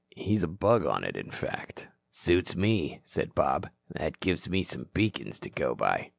He's a bug on it, in fact." "Suits me," said Bob. "That gives me some beacons to go by."